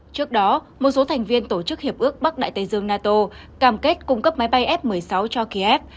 trước đó một số thành viên tổ chức hiệp ước bắc đại tây dương nato cam kết cung cấp máy bay f một mươi sáu cho kiev